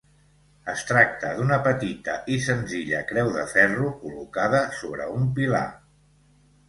Es tracta d'una petita i senzilla creu de ferro, col·locada sobre un pilar.